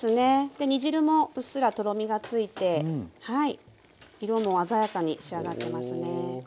で煮汁もうっすらとろみがついて色も鮮やかに仕上がってますね。